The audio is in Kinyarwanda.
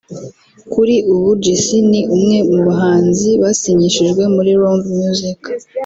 Kuri ubu Jessy ni umwe mu bahanzi basinyishijwe muri Round music